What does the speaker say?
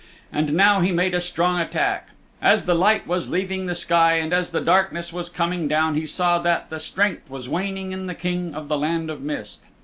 And now he made a strong attack. As the light was leaving the sky and as the darkness was coming down he saw that the strength was waning in the King of the Land of Mist.